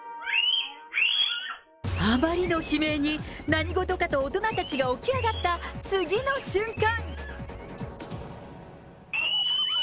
あまりの悲鳴に、何事かと大人たちが起き上がった、次の瞬間。